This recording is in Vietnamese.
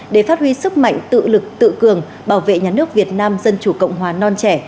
để phát huy sức mạnh tự lực tự cường bảo vệ nhà nước việt nam dân chủ cộng hòa non trẻ